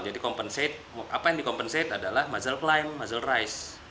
jadi apa yang dikompensate adalah muzzle climb muzzle rise